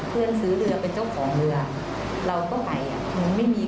สรุปเราจะรู้สึกอะไรดิ